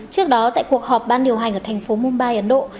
trước đó tại cuộc họp ban điều hành ở thành phố mumbai ấn độ